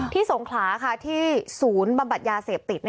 ที่สงขาที่ศูนย์บำบัดยาเสพติด